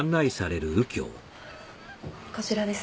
こちらです。